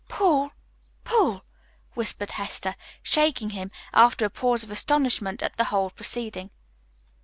"Paul! Paul!" whispered Hester, shaking him, after a pause of astonishment at the whole proceeding.